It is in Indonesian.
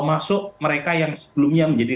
masuk mereka yang sebelumnya menjadi